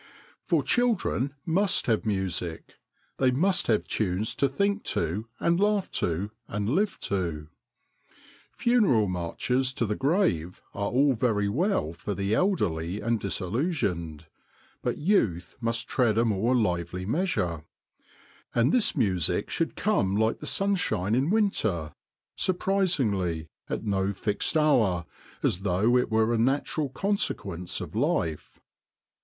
For children must have music ; they must 150 THE DAY BEFORE YESTERDAY have tunes to think to and laugh to and live to. Funeral marches to the grave are all very well for the elderly and disillusioned, but youth must tread a more lively measure. And this music should come like the sun shine in winter, surprisingly, at no fixed hour, as though it were a natural conse quence of life.